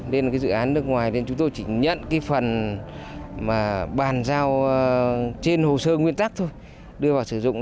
nên là cái dự án nước ngoài nên chúng tôi chỉ nhận cái phần mà bàn giao trên hồ sơ nguyên tắc thôi đưa vào sử dụng